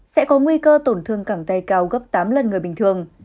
sẽ có nguy cơ tổn thương cẳng tay cao gấp tám lần người bình thường